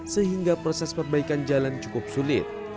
sehingga proses perbaikan jalan cukup sulit